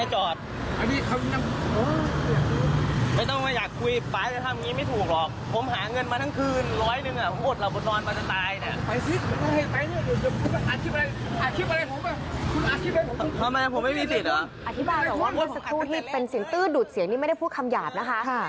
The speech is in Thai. อธิบายแบบว่าเป็นสัตว์ที่เป็นเสียงตื้อดูดเสียงไม่ได้พูดคำหยาบนะคะ